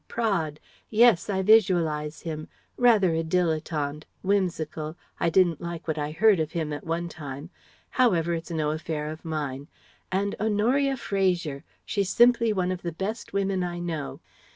Praed. Yes, I visualize him. Rather a dilettante whimsical I didn't like what I heard of him at one time. However it's no affair of mine. And Honoria Fraser! She's simply one of the best women I know.